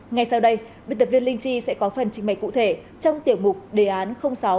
ngay sau đây biên tập viên linh chi sẽ có phần trình bày cụ thể trong tiểu mục đề án sáu